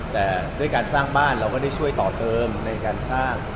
แต่ด้วยการสร้างบ้านเราก็ได้ช่วยต่อเติมในการสร้าง